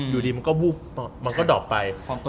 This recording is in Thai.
อยู่ดีมันก็ดอบไป